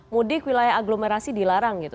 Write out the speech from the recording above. mudik wilayah aglomerasi dilarang gitu